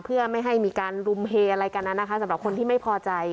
เพื่อไม่ให้มีการรุมเฮอะไรกันนะคะสำหรับคนที่ไม่พอใจ